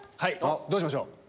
どうしましょう？